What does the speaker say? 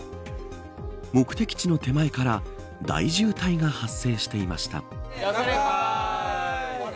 目的地の手前から大渋滞が発生していました。